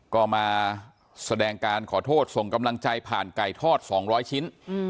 ก็มาแสดงการขอโทษส่งกำลังใจผ่านไก่ทอด๒๐๐ชิ้น